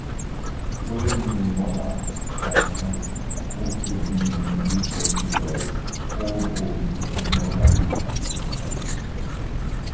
Original Monarch Pass has also been referred to as Old Old Monarch Pass.